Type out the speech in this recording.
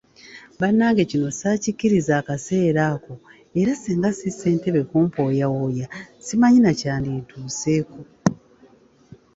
Bannange kino ssaakikkiriza akaseera ako era singa ssi Ssentebe kumpooyawooya simanyi na kyalintuuseeko.